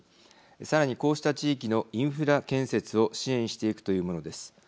さらにこうした地域のインフラ建設を支援していくというものです。